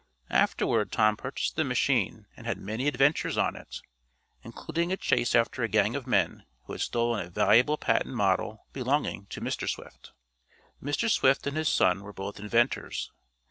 Afterward Tom purchased the machine, and had many adventures on it, including a chase after a gang of men who had stolen a valuable patent model belonging to Mr. Swift. Mr. Swift and his son were both inventors.